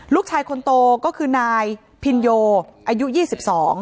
ลูกชายคนโตก็คือนายพินโยอายุ๒๒ปี